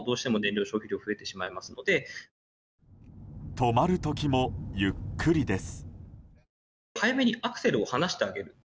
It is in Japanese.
止まる時もゆっくりです。